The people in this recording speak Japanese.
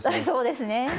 そうですね。